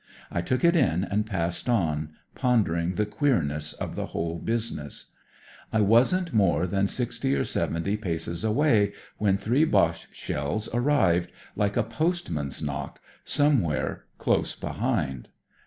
I took it in, and passed on, pondering the queemess of the whole business. I wasn't more than sixty or seventy paces away, when three Boche shells arrived, like a postman's knock, somewhere close behind.